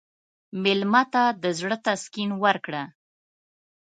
مېلمه ته د زړه تسکین ورکړه.